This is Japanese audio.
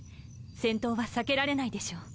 戦闘は避けられないでしょう。